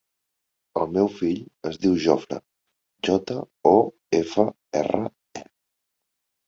El meu fill es diu Jofre: jota, o, efa, erra, e.